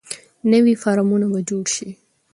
نوي فارمونه به جوړ شي.